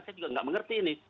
saya juga nggak mengerti ini